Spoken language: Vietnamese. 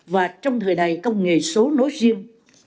và trong thời đại công nghệ số nối riêng